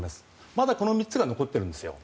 まだこの３つが残っているんですよ。